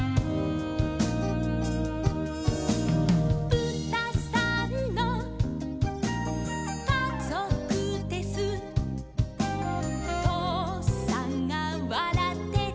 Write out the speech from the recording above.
「ぶたさんのかぞくです」「とうさんがわらってる」